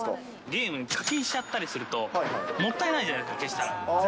ゲームに課金しちゃったりするともったいないじゃないですか、消したら。